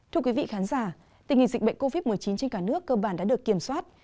thưa quý vị khán giả tình hình dịch bệnh covid một mươi chín trên cả nước cơ bản đã được kiểm soát